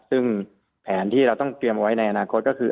ซึ่งแผนที่เราต้องเตรียมเอาไว้ในอนาคตก็คือ